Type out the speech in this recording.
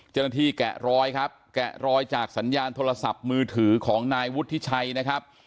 แกะรอยครับแกะรอยจากสัญญาณโทรศัพท์มือถือของนายวุฒิชัยนะครับ